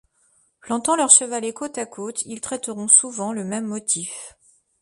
Plantant leurs chevalets côte à côte, ils traiteront souvent le même motif.